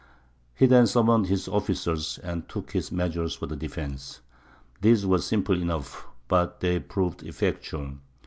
He then summoned his officers, and took his measures for the defence. These were simple enough; but they proved effectual.